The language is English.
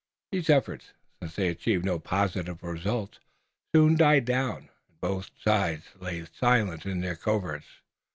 These efforts, since they achieved no positive results, soon died down, and both sides lay silent in their coverts.